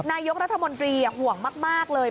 นายกรัฐมนตรีห่วงมากเลย